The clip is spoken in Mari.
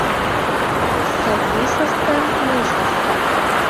Савли саска — мый саска